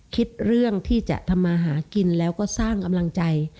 คิดเรื่องที่จะทำมาหากินแล้วก็สร้างกำลังใจ